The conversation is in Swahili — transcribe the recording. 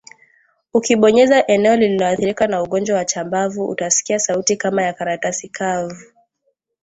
Ukibonyeza eneo lililoathirika na ugonjwa wa chambavu utasikia sauti kama ya karatasi kavu